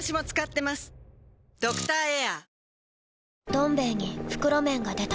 「どん兵衛」に袋麺が出た